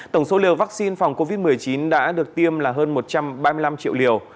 tổng số liều vaccine phòng covid một mươi chín đã được tiêm là hơn một trăm ba mươi năm triệu liều